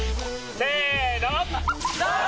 せの！